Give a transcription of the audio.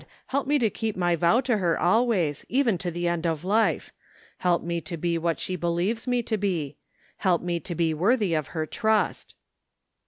Help me to keep my vow to her, always, even to the end of life! Help me to be what she be ns THE FINDING OF JASPER HOLT lieves me to be ! Help me to be worthy of her trust